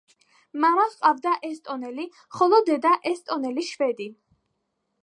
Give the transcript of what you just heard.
მამა ჰყავდა ესტონელი, ხოლო დედა ესტონელი შვედი.